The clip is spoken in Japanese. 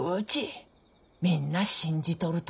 みんな信じとるとね。